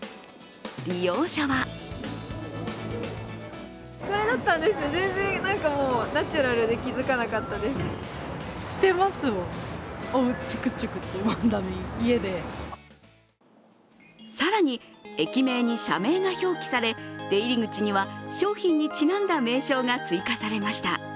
利用者は更に、駅名に社名が表記され、出入り口には商品にちなんだ名称が追加されました。